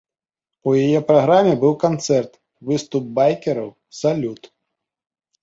У яе праграме быў канцэрт, выступ байкераў, салют.